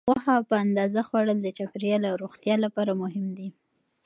غوښه په اندازه خوړل د چاپیریال او روغتیا لپاره مهم دي.